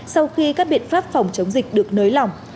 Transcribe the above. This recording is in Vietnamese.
sau khi các biện pháp phòng chống dịch được nới lỏng